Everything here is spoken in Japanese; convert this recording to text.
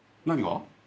何が？